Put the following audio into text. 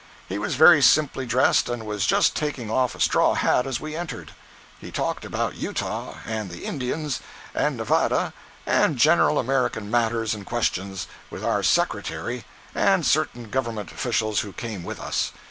He was very simply dressed and was just taking off a straw hat as we entered. He talked about Utah, and the Indians, and Nevada, and general American matters and questions, with our secretary and certain government officials who came with us.